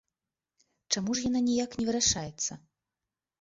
Чаму ж яна ніяк не вырашаецца?